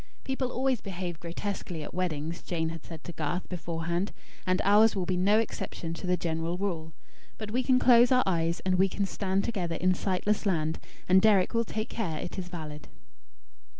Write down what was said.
"People always behave grotesquely at weddings," Jane had said to Garth, beforehand; "and ours will be no exception to the general rule. But we can close our eyes, and stand together in Sightless Land; and Deryck will take care it is valid."